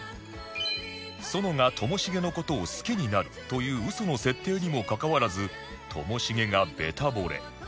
園がともしげの事を好きになるという嘘の設定にもかかわらずともしげがベタぼれ